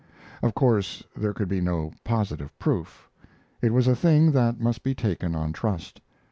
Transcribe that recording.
Of course there could be no positive proof. It was a thing that must be taken on trust.